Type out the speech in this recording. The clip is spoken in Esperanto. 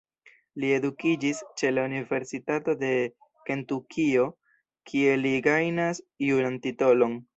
Li edukiĝis ĉe la Universitato de Kentukio kie li gajnas juran titolon.